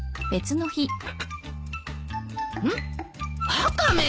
ワカメ。